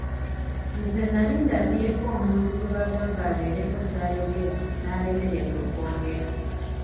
Nze nnali ndabyeko omuntu gwe bagamba abeereko ky'ayogera n'alemererwa okwogera.